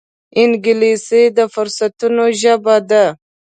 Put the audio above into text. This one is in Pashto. انګلیسي د فرصتونو ژبه ده